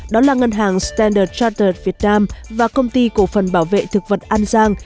đó là ngân hàng standard trater việt nam và công ty cổ phần bảo vệ thực vật an giang